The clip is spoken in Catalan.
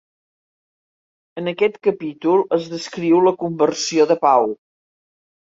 En aquest capítol es descriu la conversió de Pau.